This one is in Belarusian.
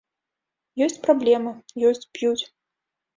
Ёсць праблема, ёсць, п'юць.